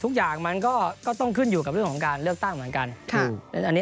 ทุกอย่างมันก็ต้องขึ้นอยู่กับเรื่องของการเลือกตั้งเหมือนกัน